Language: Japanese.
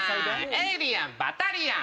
「『エイリアン』『バタリアン』」